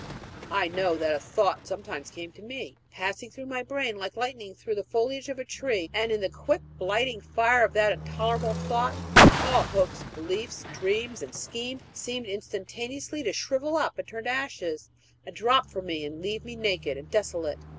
I know that a thought sometimes came to me, passing through my brain like lightning through the foliage of a tree; and in the quick, blighting fire of that intolerable thought, all hopes, beliefs, dreams, and schemes seemed instantaneously to shrivel up and turn to ashes, and drop from me, and leave me naked and desolate.